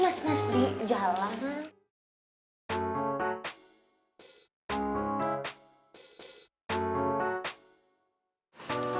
mas mas di jalan